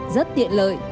rất tiện lợi